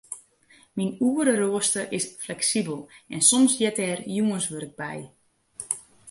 Myn oereroaster is fleksibel en soms heart der jûnswurk by.